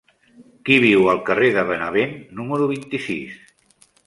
Qui viu al carrer de Benavent número vint-i-sis?